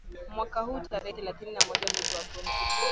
mwaka huu tarehe thelathini na moja mwezi wa kumi